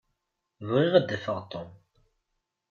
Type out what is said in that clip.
Bɣiɣ ad d-afeɣ Tom.